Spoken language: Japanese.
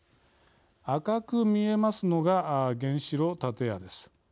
赤く見えますのが原子炉建屋です。